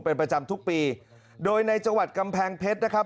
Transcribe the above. เป็นประจำทุกปีโดยในจังหวัดกำแพงเพชรนะครับ